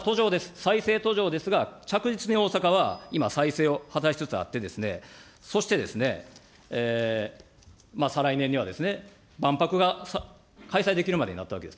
再生途上ですが、着実に大阪は今、再生を果たしつつあって、そして、再来年には万博が開催できるまでになったわけです。